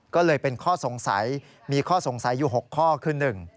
ก็เลยเป็นข้อสงสัยมีข้อสงสัยอยู่๖ข้อคือ๑